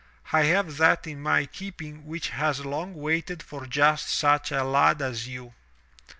"I have that in my keeping which has long waited for just such a lad as you."